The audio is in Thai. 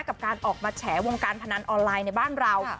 กับการออกมาแฉวงการพนันออนไลน์ในบ้านเรา